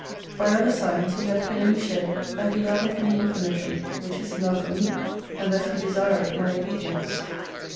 By other signs, He hath plainly showed, that He loveth me infinitely, which is enough for me, and that He desireth my obedience.